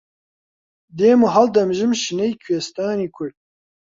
دێم و هەڵدەمژم شنەی کوێستانی کورد